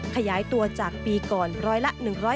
ขยายตัวจากปีก่อนร้อยละ๑๕